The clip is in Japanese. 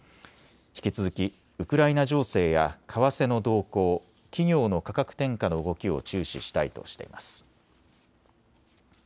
引き続きウクライナ情勢や為替の動向、企業の価格転嫁の動きを注視したいとしています。